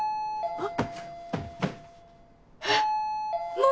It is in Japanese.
あっ！